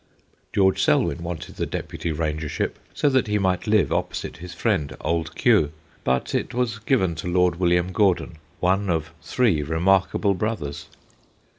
George Selwyn wanted the Deputy Rangership, so that he might live opposite his friend Old Q., but it was given to Lord William Gordon, one of three remarkable brothers.